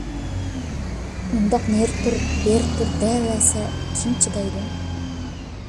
— ئۇنداق نېرى تۇر، بېرى تۇر دەۋەرسە، كىم چىدايدۇ؟